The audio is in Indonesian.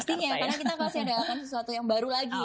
pastinya karena kita pasti ada sesuatu yang baru lagi